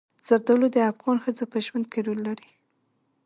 زردالو د افغان ښځو په ژوند کې رول لري.